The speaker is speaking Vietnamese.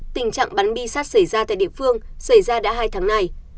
tình trạng bắn bi sắt xảy ra tại địa phương xảy ra đã hai tháng này